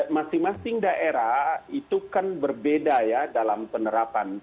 masing masing daerah itu kan berbeda ya dalam penerapan